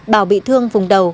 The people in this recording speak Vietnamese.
bảo bị thương vùng đầu